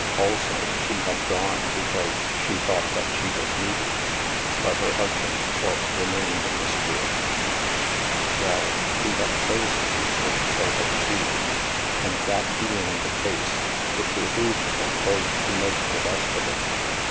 Also, she had gone because she thought that she was needed. But her husband's choice remained a mystery. Well, he had chosen, and so had she. And that being the case, it behooved them both to make the best of it.